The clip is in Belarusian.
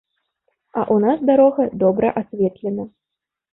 А ў нас дарога добра асветлена.